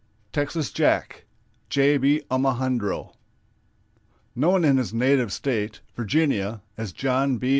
"TEXAS JACK" (J. B. OMOHUNDRO). Known in his native State, Virginia, as John B.